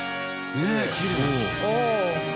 ねっきれい。